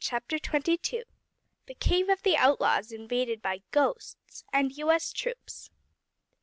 CHAPTER TWENTY TWO. The Cave of the Outlaws Invaded by Ghosts and US Troops.